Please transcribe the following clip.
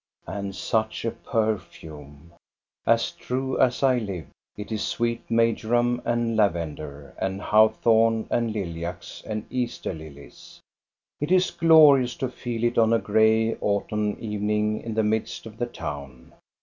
And such a perfume! As true as I live, it is sweet marjoram and lavender and hawthorn and lilacs and Easter lilies. It is glorious to feel it on a gray autumn evening in the midst of the town.